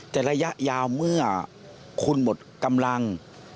แต่ระยะยาวเมื่อคุณหมดกำลัง